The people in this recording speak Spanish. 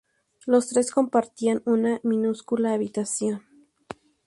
Los tres compartían una minúscula habitación.